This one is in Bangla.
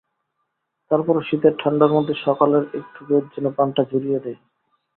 তার পরও শীতের ঠান্ডার মধ্যে সকালের একটু রোদ যেন প্রাণটা জুড়িয়ে দেয়।